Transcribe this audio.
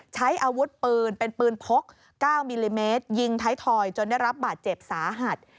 ใช้อาวุธปืนเป็นปืนพก๙มิลลิเมตรยิงท้ายทอยจนได้รับบาดเจ็บสาหัส